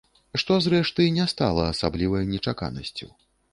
Што, зрэшты, не стала асаблівай нечаканасцю.